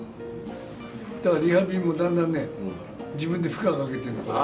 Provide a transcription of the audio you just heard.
だからリハビリもだんだんね、自分で負荷かけている。